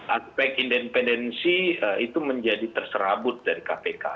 aspek independensi itu menjadi terserabut dari kpk